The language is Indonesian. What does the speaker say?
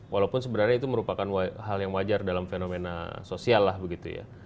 walaupun sebenarnya itu merupakan hal yang wajar dalam fenomena sosial lah begitu ya